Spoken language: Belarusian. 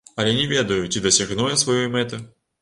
Але не ведаю, ці дасягну я сваёй мэты.